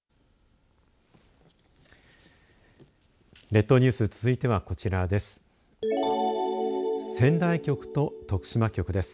列島ニュース続いてはこちらです。